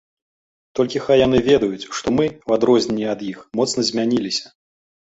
Толькі хай яны ведаюць, што мы, у адрозненні ад іх, моцна змяніліся.